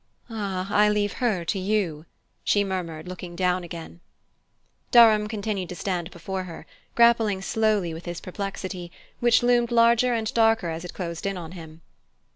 "Ah, I leave her to you," she murmured, looking down again. Durham continued to stand before her, grappling slowly with his perplexity, which loomed larger and darker as it closed in on him.